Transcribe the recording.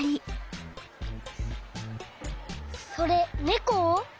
それねこ？